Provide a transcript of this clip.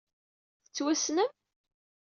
Tettwassnem?